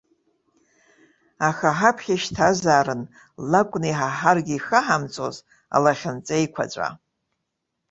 Аха ҳаԥхьа ишьҭазаарын, лакәны иҳаҳаргьы ихаҳамҵоз, алахьынҵа еиқәаҵәа.